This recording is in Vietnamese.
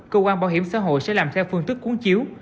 cơ quan bảo hiểm xã hội sẽ làm theo phương tức cuốn chiếu